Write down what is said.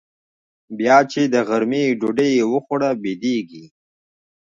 بيا چې د غرمې ډوډۍ يې وخوړه بيدېږي.